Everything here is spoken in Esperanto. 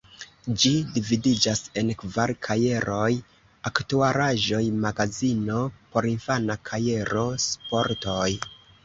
Ĝi dividiĝas en kvar kajeroj: “Aktualaĵoj“, “Magazino“, “Porinfana kajero“, “Sportoj“.